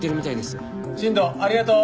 新藤ありがとう。